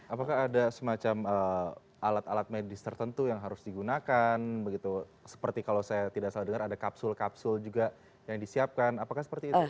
apakah ada semacam alat alat medis tertentu yang harus digunakan begitu seperti kalau saya tidak salah dengar ada kapsul kapsul juga yang disiapkan apakah seperti itu